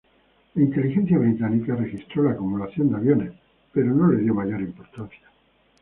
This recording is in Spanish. La inteligencia británica registró la acumulación de aviones, pero no le dio mayor importancia.